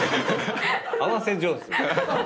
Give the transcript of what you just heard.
合わせ上手。